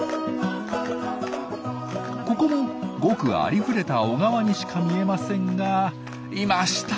ここもごくありふれた小川にしか見えませんがいました！